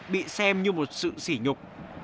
bị xem như một sự xỉ nhục